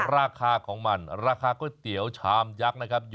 ราคาของมันราคาก๋วยเตี๋ยวชามยักษ์นะครับ